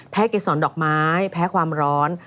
แพ้เกสสอนดอกไม้แพ้ความร้อน